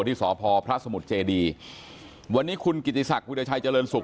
ที่สพพระสมุทรเจดีวันนี้คุณกิติศักดิราชัยเจริญสุข